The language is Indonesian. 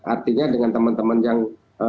artinya dengan teman teman yang